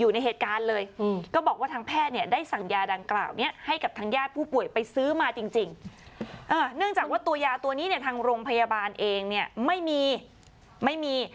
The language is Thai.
เนื่องจากว่าตัวยาตัวนี้ในทางโรงพยาบาลเองเนี่ยไม่มี